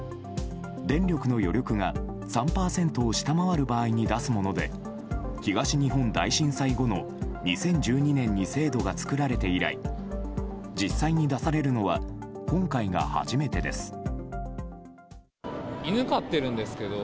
電力の余力が３％を下回る場合に出すもので東日本大震災後の２０１２年に制度が作られて以来実際に出されるのは今回が初めてです。